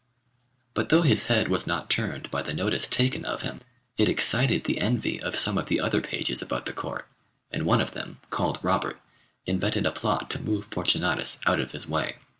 But though his head was not turned by the notice taken of him, it excited the envy of some of the other pages about the Court, and one of them, called Robert, invented a plot to move Fortunatus out of his way.